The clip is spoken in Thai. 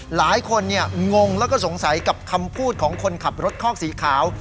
งงแล้วก็สงสัยกับคำพูดของคนขับรถคอกสีขาว